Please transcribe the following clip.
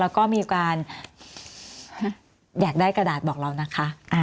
แล้วก็มีการอยากได้กระดาษบอกเรานะคะ